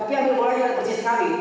tapi ambil golanya dengan bersih sekali